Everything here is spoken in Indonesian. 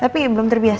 tapi belum terbiasa aja